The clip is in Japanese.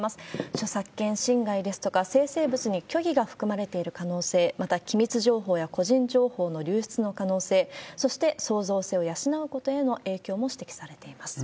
著作権侵害ですとか、生成物に虚偽が含まれている可能性、また、機密情報や個人情報の流出の可能性、そして創造性を養うことへの影響も指摘されています。